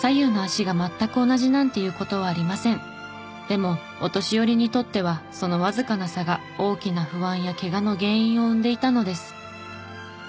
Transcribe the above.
でもお年寄りにとってはそのわずかな差が大きな不安やケガの原因を生んでいたのです。